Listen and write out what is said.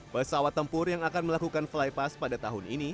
pesawat tempur yang akan melakukan flypass pada tahun ini